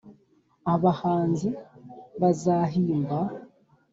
Abahanzi bazahimba